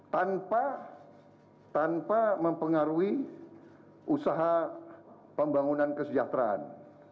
tanpa mempengaruhi usaha pembangunan kesejahteraan